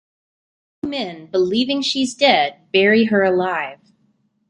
The two men, believing she's dead, bury her alive.